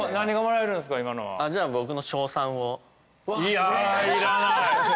いやいらない。